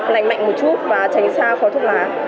lành mạnh một chút và tránh xa khói thuốc lá